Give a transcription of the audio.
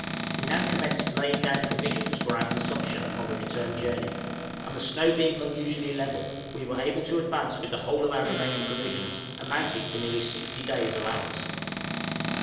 We now commenced laying down provisions for our consumption upon the return journey; and the snow being unusually level, we were able to advance with the whole of our remaining provisions, amounting to nearly sixty days' allowance.